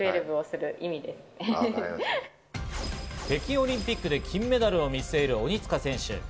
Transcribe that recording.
北京オリンピックで金メダルを見せる鬼塚選手。